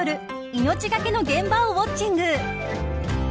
命懸けの現場をウオッチング。